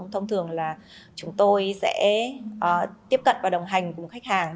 thông thường là chúng tôi sẽ tiếp cận và đồng hành cùng khách hàng